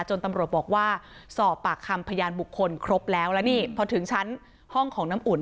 ตำรวจบอกว่าสอบปากคำพยานบุคคลครบแล้วแล้วนี่พอถึงชั้นห้องของน้ำอุ่น